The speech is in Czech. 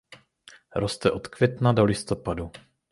Roste od května do listopadu.